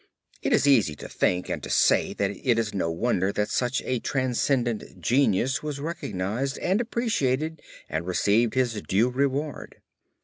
It is easy to think and to say that it is no wonder that such a transcendent genius was recognized and appreciated and received his due reward.